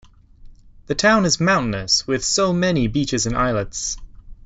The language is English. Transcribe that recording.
The town is mountainous with so many beaches and islets.